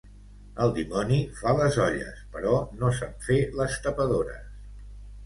El dimoni fa les olles, però no sap fer les tapadores.